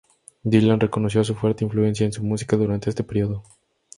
Dylan reconoció su fuerte influencia en su música durante ese periodo.